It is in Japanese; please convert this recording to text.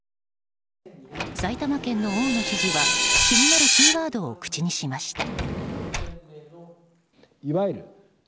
埼玉県の大野知事は気になるキーワードを口にしました。